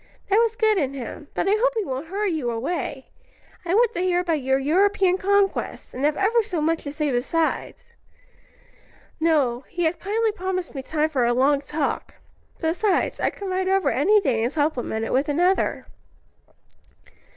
"That was good in him; but I hope he won't hurry you away. I want to hear about your European conquests, and have ever so much to say besides." "No, he has kindly promised me time for a long talk. Besides, I can ride over any day and supplement it with another."